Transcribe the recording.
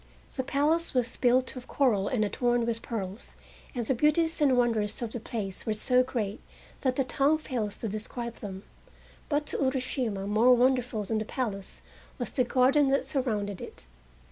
The palace was built of coral and adorned with pearls, and the beauties and wonders of the place were so great that the tongue fails to describe them. But, to Urashima, more wonderful than the palace was the garden that surrounded it.